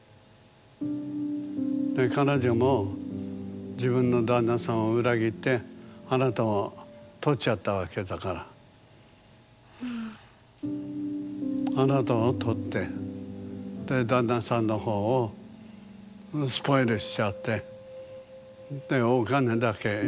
で彼女も自分の旦那さんを裏切ってあなたを取っちゃったわけだからあなたを取ってで旦那さんの方をスポイルしちゃってでお金だけ拝借してるっていうわけでしょ。